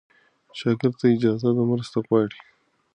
شاګرد ته اجازه ده مرسته وغواړي.